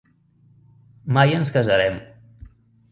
Mai ens casarem.